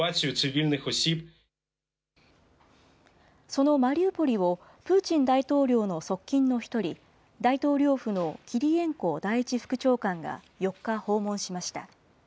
そのマリウポリを、プーチン大統領の側近の一人、大統領府のキリエンコ第１副長官が４日訪問しました。